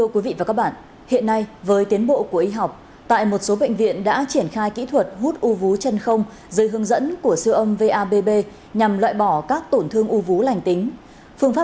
các bạn hãy đăng ký kênh để ủng hộ kênh của chúng mình nhé